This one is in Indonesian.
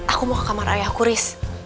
aku mau ke kamar ayahku riz